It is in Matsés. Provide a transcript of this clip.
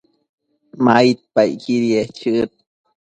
maidpacquidiec chëd